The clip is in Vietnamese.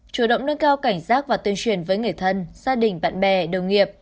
chủ động nâng cao cảnh giác và tuyên truyền với người thân gia đình bạn bè đồng nghiệp